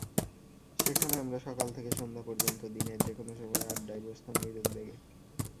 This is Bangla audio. সেখানে আমরা সকাল থেকে সন্ধ্যা পর্যন্ত দিনের যেকোনো সময়ে আড্ডায় বসতাম নিরুদ্বেগে।